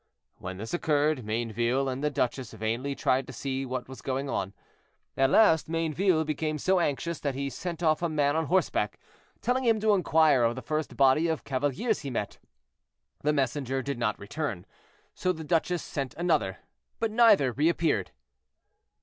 When this occurred, Mayneville and the duchess vainly tried to see what was going on. At last Mayneville became so anxious that he sent off a man on horseback, telling him to inquire of the first body of cavaliers he met. The messenger did not return, so the duchess sent another, but neither reappeared.